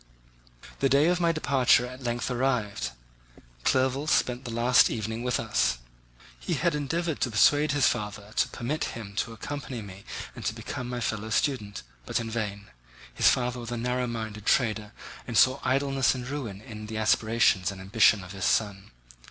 The day of my departure at length arrived. Clerval spent the last evening with us. He had endeavoured to persuade his father to permit him to accompany me and to become my fellow student, but in vain. His father was a narrow minded trader and saw idleness and ruin in the aspirations and ambition of his son.